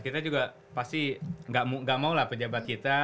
kita juga pasti gak mau lah pejabat kita